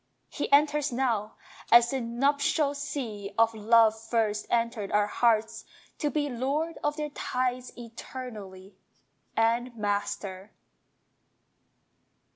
He enters now, as the nuptial sea Of love first entered our hearts, to be Lord of their tides eternally, And Master!